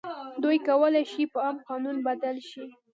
دوی کولای شي په عام قانون بدل شي.